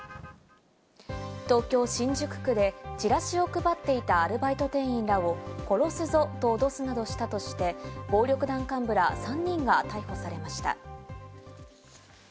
東京・新宿区でチラシを配っていたアルバイト店員らを殺すぞと脅すなどしたとして暴力団幹部ら３人が逮捕されました。